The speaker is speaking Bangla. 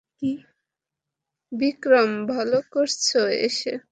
বিক্রম, ভালো করেছ এসে।